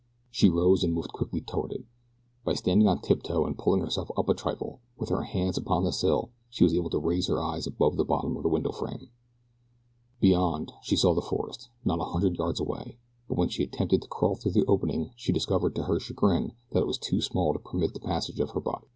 She rose and moved quickly toward it. By standing on tiptoe and pulling herself up a trifle with her hands upon the sill she was able to raise her eyes above the bottom of the window frame. Beyond she saw the forest, not a hundred yards away; but when she attempted to crawl through the opening she discovered to her chagrin that it was too small to permit the passage of her body.